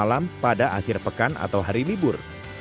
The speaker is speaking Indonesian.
malam pada akhir pekan atau hari libur